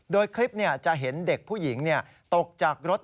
โดยคลิปจะเห็นเด็กผู้หญิงตกจากรถ